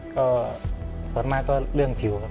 ก็ส่วนมากก็เรื่องผิวครับ